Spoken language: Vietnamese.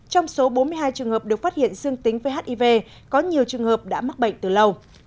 trong số bốn mươi hai trường hợp được phát hiện dương tính với hiv có nhiều trường hợp đã mắc bệnh từ lâu